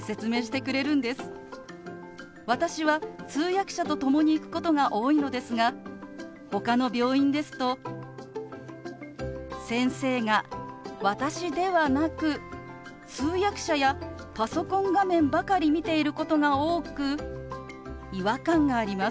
私は通訳者と共に行くことが多いのですがほかの病院ですと先生が私ではなく通訳者やパソコン画面ばかり見ていることが多く違和感があります。